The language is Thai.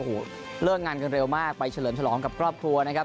โอ้โหเลิกงานกันเร็วมากไปเฉลิมฉลองกับครอบครัวนะครับ